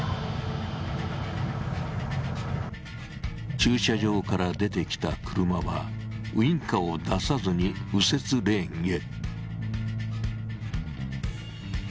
駐車場から出てきた車はウインカーを出さずに右折レーンへ。